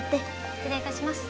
失礼いたします。